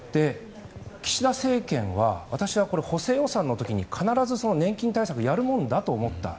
岸田政権は、私は補正予算の時に必ず年金対策をやるものだと思った。